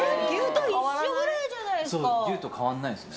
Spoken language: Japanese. そう、牛と変わらないんですよね。